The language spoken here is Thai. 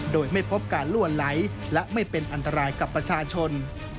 โดยไม่พบการลั่วไหลและไม่เป็นอันตรายกับประชาชน